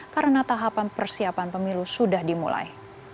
karena tahapan persiapan pemilu sudah dimulai